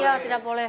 iya tidak boleh